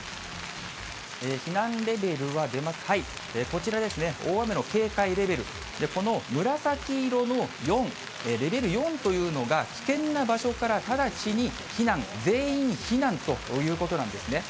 避難レベルは出ますか、こちらですね、大雨の警戒レベル、この紫色の４、レベル４というのが、危険な場所から直ちに避難、全員避難ということなんですね。